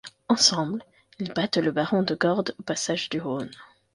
Ensemble, ils battent le baron de Gordes au passage du Rhône.